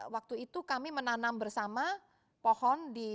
waktu itu kami menanam bersama pohon di